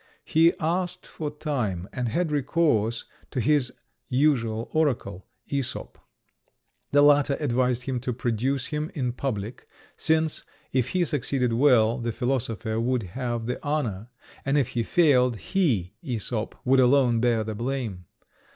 He asked for time, and had recourse to his usual oracle, Æsop. The latter advised him to produce him in public, since, if he succeeded well, the philosopher would have the honour, and if he failed, he, Æsop, would alone bear the blame.